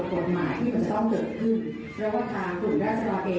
ผมจะเป็นเฮลอรับข้อมูลทั้งสองฝั่ง